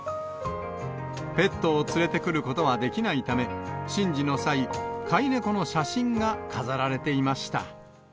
ペットを連れてくることはできないため、神事の際、飼い猫の写真が飾られていました。